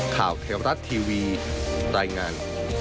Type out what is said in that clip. ข่าวเทียมรักทีวีตายงาน